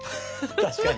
確かに。